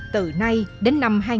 từ nay đến năm hai nghìn hai mươi